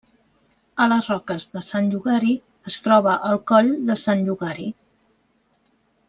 A les Roques de Sant Llogari es troba el Coll de Sant Llogari.